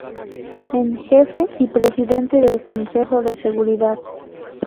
En jefe y presidente del Consejo de Seguridad.